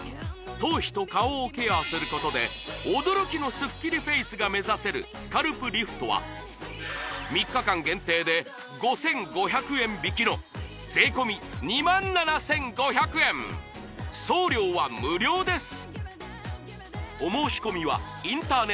頭皮と顔をケアすることで驚きのスッキリフェイスが目指せるスカルプリフトは３日間限定で５５００円引きの税込２７５００円送料は無料です！